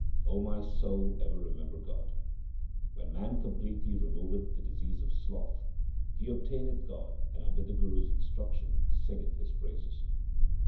0 my soul, ever remember God. When man completely removeth the disease of sloth, he obtaineth God and under the Guru's instruction singeth His praises.